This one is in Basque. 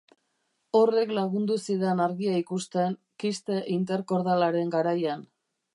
Horrek lagundu zidan argia ikusten kiste interkordalaren garaian.